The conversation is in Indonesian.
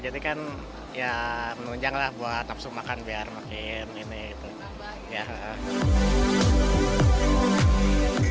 jadi kan ya menunjanglah buat langsung makan biar makin ini gitu